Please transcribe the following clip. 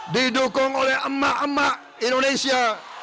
didukung oleh emak emak indonesia